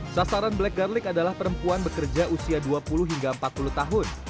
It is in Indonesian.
sasaran black garlic adalah perempuan bekerja usia dua puluh hingga empat puluh tahun